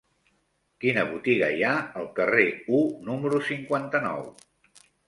Quina botiga hi ha al carrer U número cinquanta-nou?